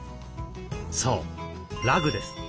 そうラグです。